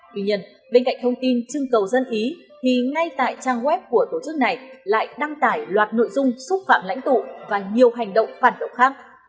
tuy nhiên bên cạnh thông tin trưng cầu dân phí thì ngay tại trang web của tổ chức này lại đăng tải loạt nội dung xúc phạm lãnh tụ và nhiều hành động phản động khác